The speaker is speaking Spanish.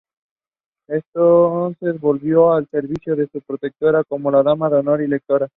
Entonces volvió al servicio de su protectora como dama de honor y lectora.